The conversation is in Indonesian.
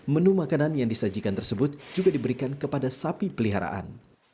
menu makanan yang disajikan tersebut juga diberikan kepada sapi peliharaan